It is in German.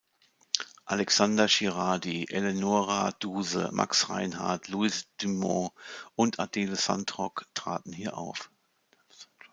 Alexander Girardi, Eleonora Duse, Max Reinhardt, Louise Dumont und Adele Sandrock traten hier auf.